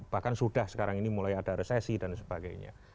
bahkan sudah sekarang ini mulai ada resesi dan sebagainya